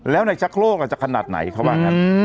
แล้วในชักโลกจะขนาดไหนเขาว่างั้น